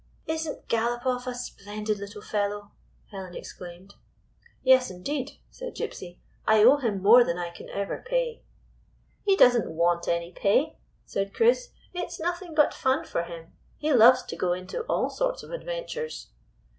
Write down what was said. " Is n't Galopoff a splendid little fellow ?" Helen exclaimed. "Yes, indeed," said Gypsy. "I owe him more than I can ever pay." "He does n't want any pay," said Chris. "It is nothing but fun for him. He loves to go into all sorts of adventures."